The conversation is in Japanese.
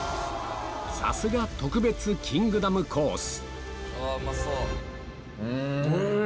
さすが特別キングダムコース